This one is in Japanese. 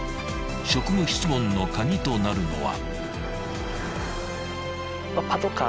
職務質問の鍵となるのは］